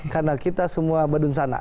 karena kita semua badun sana